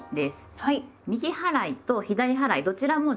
はい。